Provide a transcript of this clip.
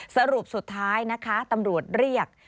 สรุปสุดท้ายนะคะตำรวจเรียก